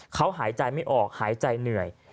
เขาหายใจไม่ออกหายใจเหนื่อย